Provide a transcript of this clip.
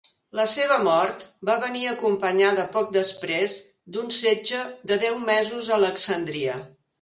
La seva mort va venir acompanyada poc després d'un setge de deu mesos a Alexandria.